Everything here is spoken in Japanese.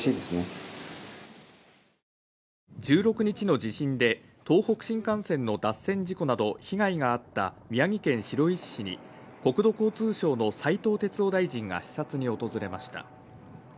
１６日の地震で東北新幹線の脱線事故など被害があった宮城県白石市に国土交通省の斉藤鉄夫大臣が視察に訪れました。